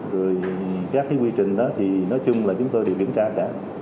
rồi các cái quy trình đó thì nói chung là chúng tôi thì kiểm tra cả